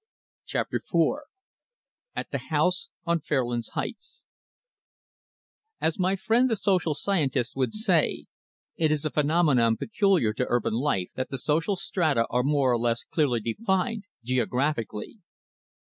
Chapter IV At the House on Fairlands Heights As my friend the social scientist would say; it is a phenomenon peculiar to urban life, that the social strata are more or less clearly defined geographically.